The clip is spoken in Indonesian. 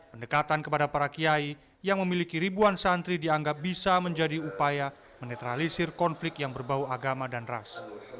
pendekatan kepada para kiai yang memiliki ribuan santri dianggap bisa menjadi upaya menetralisir konflik yang berbau agama dan ras